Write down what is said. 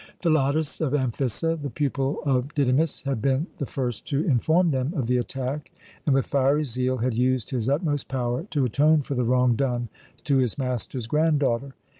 Philotas of Amphissa, the pupil of Didymus, had been the first to inform them of the attack and, with fiery zeal, had used his utmost power to atone for the wrong done to his master's granddaughter.